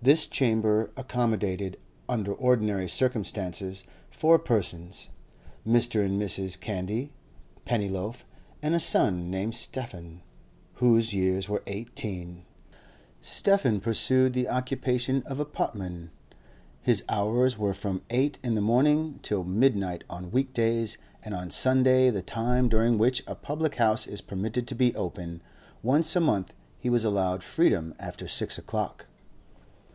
This chamber accommodated, under ordinary circumstances, four persons: Mr. and Mrs. Candy, Pennyloaf, and a son named Stephen, whose years were eighteen. (Stephen pursued the occupation of a potman; his hours were from eight in the morning till midnight on week days, and on Sunday the time during which a public house is permitted to be open; once a month he was allowed freedom after six o'clock.)